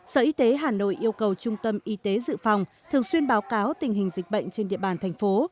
sở y tế hà nội yêu cầu trung tâm y tế dự phòng thường xuyên báo cáo tình hình dịch bệnh trên địa bàn thành phố